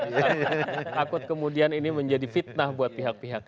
takut kemudian ini menjadi fitnah buat pihak pihak